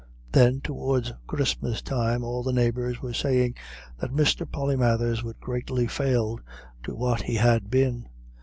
Then towards Christmas time all the neighbours were saying that Mr. Polymathers was greatly failed to what he had been.